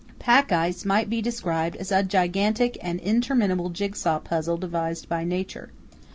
Pack ice might be described as a gigantic and interminable jigsaw puzzle devised by nature.